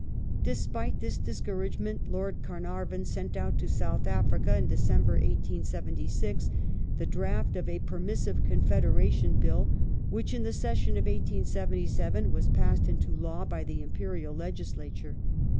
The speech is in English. ^ Despite this discouragement Lord Carnarvon sent out to South Africa (in Dec. 1876) the draft of a permissive Confederation Bill, which in the session of 1877 was passed into law by the Imperial Legislature.